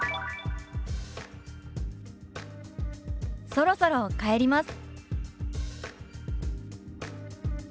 「そろそろ帰ります」。